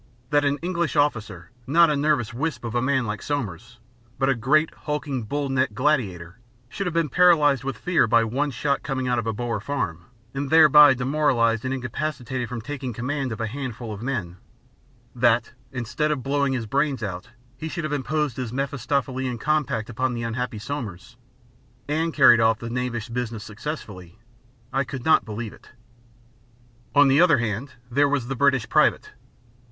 That an English officer not a nervous wisp of a man like Somers, but a great, hulking, bull necked gladiator should have been paralysed with fear by one shot coming out of a Boer farm, and thereby demoralised and incapacitated from taking command of a handful of men; that, instead of blowing his brains out, he should have imposed his Mephistophelian compact upon the unhappy Somers and carried off the knavish business successfully I could not believe it. On the other hand, there was the British private.